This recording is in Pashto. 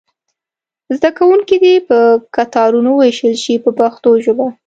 زده کوونکي دې په کتارونو وویشل شي په پښتو ژبه.